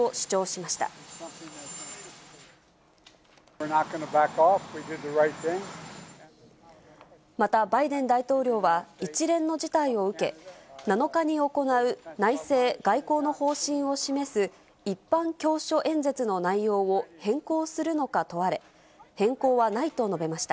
また、バイデン大統領は、一連の事態を受け、７日に行う内政外交の方針を示す一般教書演説の内容を変更するのか問われ、変更はないと述べました。